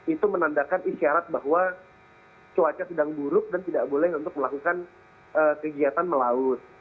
itu menandakan isyarat bahwa cuaca sedang buruk dan tidak boleh untuk melakukan kegiatan melaut